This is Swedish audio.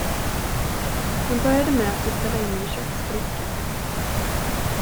De började med att beställa in en shotsbricka.